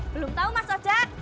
belum tau mas ojak